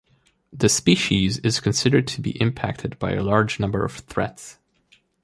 The species is considered to be impacted by a large number of threats.